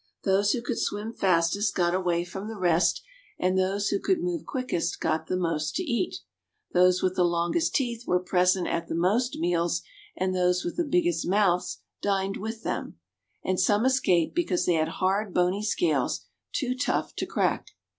Those who could swim fastest got away from the rest, and those who could move quickest got the most to eat. Those with the longest teeth were present at the most meals, and those with the biggest mouths dined with them. And some escaped because they had hard, bony scales, too tough to crack.